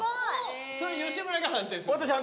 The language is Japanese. それ吉村が判定するの？